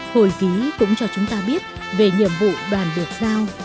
hồi ký cũng cho chúng ta biết về nhiệm vụ đoàn được giao